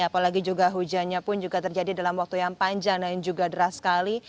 apalagi juga hujannya pun juga terjadi dalam waktu yang panjang dan juga deras sekali